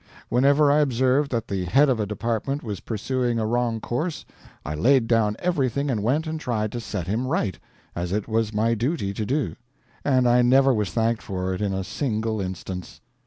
Whenever I observed that the head of a department was pursuing a wrong course, I laid down everything and went and tried to set him right, as it was my duty to do; and I never was thanked for it in a single instance.